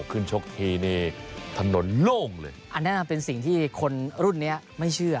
ชกทีนี่ถนนโล่งเลยอันนั้นเป็นสิ่งที่คนรุ่นนี้ไม่เชื่อ